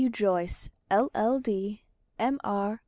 W. JOYCE, LL.D., M.R.